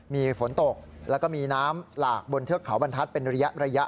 มีฝนตกแล้วก็มีน้ำหลากบนเทือกเขาบรรทัศน์เป็นระยะ